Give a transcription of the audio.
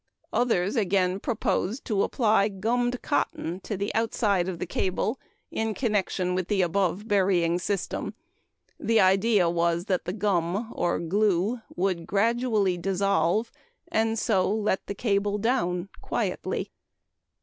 Others again proposed to apply gummed cotton to the outside of the cable in connection with the above burying system. The idea was that the gum (or glue) would gradually dissolve and so let the cable down "quietly"!